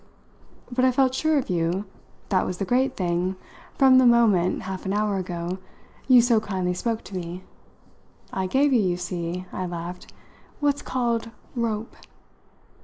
But I felt sure of you that was the great thing from the moment, half an hour ago, you so kindly spoke to me. I gave you, you see," I laughed, "what's called 'rope.'"